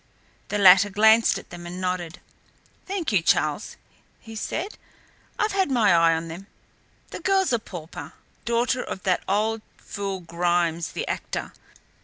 The latter glanced at them and nodded. "Thank you, Charles," he said, "I've had my eye on them. The girl's a pauper, daughter of that old fool Grimes, the actor.